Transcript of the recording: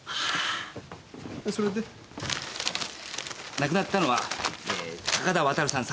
亡くなったのは高田渡さん３８歳。